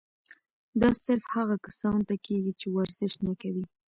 دا صرف هغه کسانو ته کيږي چې ورزش نۀ کوي